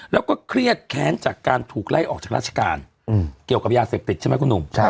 แล้วก็เครียดแค้นจากการถูกไล่ออกจากราชการเกี่ยวกับยาเสพติดใช่ไหมคุณหนุ่ม